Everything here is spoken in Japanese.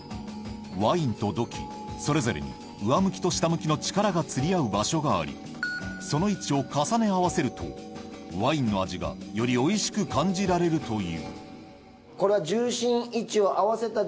ワインと土器それぞれに上向きと下向きの力が釣り合う場所がありその位置を重ね合わせるとワインの味がよりおいしく感じられるというそうですね。